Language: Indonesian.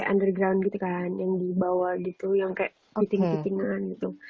kayak underground gitu kan yang dibawa gitu yang kayak piting pitingan gitu